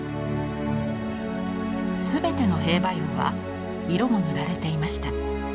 全ての兵馬俑は色も塗られていました。